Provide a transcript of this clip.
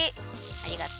ありがとう。